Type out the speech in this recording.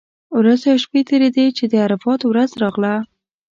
ورځې او شپې تېرېدې چې د عرفات ورځ راغله.